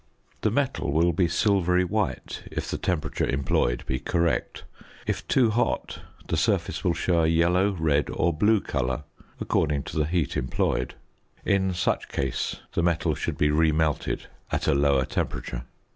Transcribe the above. The metal will be silvery white if the temperature employed be correct; if too hot, the surface will show a yellow, red, or blue colour (according to the heat employed); in such case the metal should be remelted at a lower temperature.